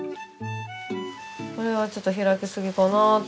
これはちょっと開きすぎかな。